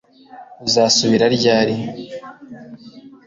Uzasubira ryari